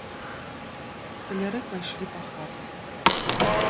Сталяры пайшлі па хатах.